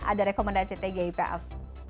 ada rekomendasi tgipf